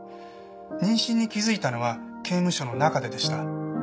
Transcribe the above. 妊娠に気づいたのは刑務所の中ででした。